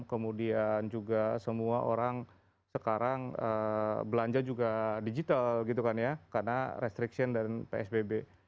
kemudian juga semua orang sekarang belanja juga digital gitu kan ya karena restriction dan psbb